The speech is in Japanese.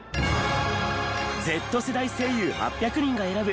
Ｚ世代声優８００人が選ぶ！